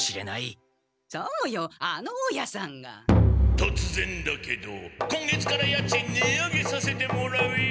とつぜんだけど今月から家賃値上げさせてもらうよ。